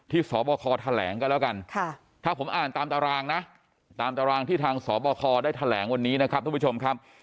สบคแถลงก็แล้วกันถ้าผมอ่านตามตารางนะตามตารางที่ทางสบคได้แถลงวันนี้นะครับทุกผู้ชมครับ